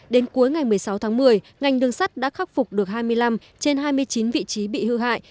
đến cuối ngày một mươi sáu tháng một mươi ngành đường sắt đã khắc phục được hai mươi năm trên hai mươi chín vị trí bị hư hại